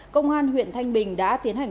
công an huyện thanh bình đã tiến hành